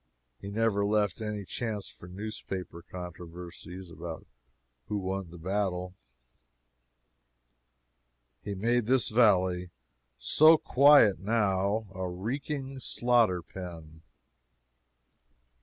He never left any chance for newspaper controversies about who won the battle. He made this valley, so quiet now, a reeking slaughter pen.